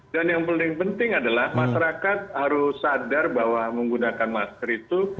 dan yang paling penting adalah masyarakat harus sadar bahwa menggunakan masker itu